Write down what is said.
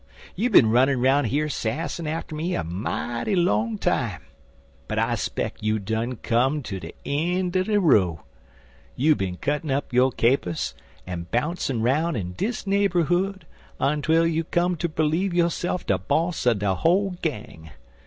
You been runnin' roun' here sassin' atter me a mighty long time, but I speck you done come ter de een' er de row. You bin cuttin' up yo' capers en bouncin''roun' in dis neighberhood ontwel you come ter b'leeve yo'se'f de boss er de whole gang.